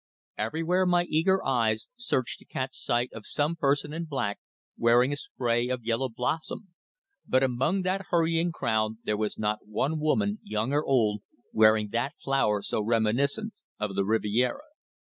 Everywhere my eager eyes searched to catch sight of some person in black wearing a spray of yellow blossom, but among that hurrying crowd there was not one woman, young or old, wearing that flower so reminiscent of the Riviera.